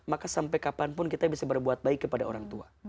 maka sampai kapanpun kita bisa berbuat baik kepada orang tua